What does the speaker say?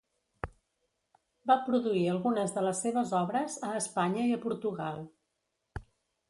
Va produir algunes de les seves obres a Espanya i a Portugal.